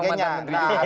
ya memang mantan menteri